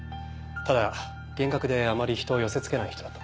ただ厳格であまり人を寄せつけない人だったとか。